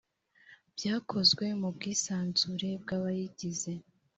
byakozwe mu bwisanzure bwabayigize